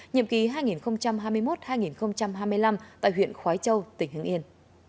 nhiệm ký hai nghìn hai mươi một hai nghìn hai mươi năm tại huyện khói châu tỉnh hưng yên